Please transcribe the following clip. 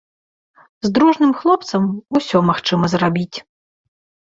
З дружным хлопцам усё магчыма зрабіць.